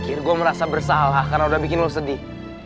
akhirnya gue merasa bersalah karena udah bikin lo sedih